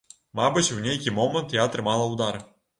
Мабыць, у нейкі момант я атрымала удар.